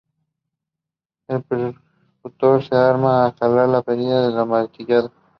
El percutor se armaba al jalar la perilla de amartillado.